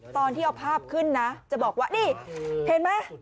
ตอนที่เอาภาพขึ้นนะจะบอกว่านี่เห็นไหม